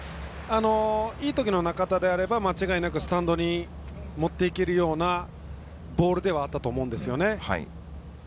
いいときの中田であれば間違いなくスタンドに持っていけるようなボールではあったと思うんですね。